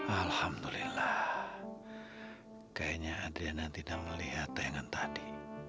alhamdulillah kayaknya adriana tidak melihat tayangan tadi